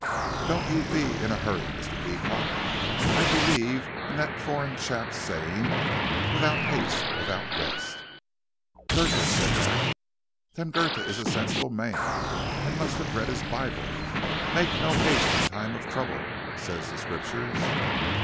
Don't you be in a hurry, Mr. Beecot. I believe in that foreign chap's saying, 'Without haste without rest.'" "Goethe said that." "Then Goethe is a sensible man, and must have read his Bible. 'Make no haste in time of trouble,' says the Scriptures."